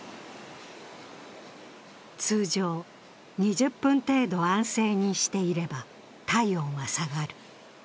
通常、２０分程度安静にしていれば体温は下がる。